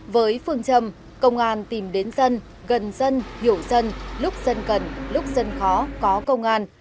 với phương châm công an tìm đến dân gần dân hiểu dân lúc dân cần lúc dân khó có công an